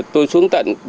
tôi xuống tận